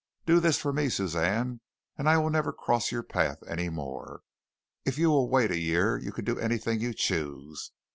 Do this for me, Suzanne, and I will never cross your path any more. If you will wait a year you can do anything you choose.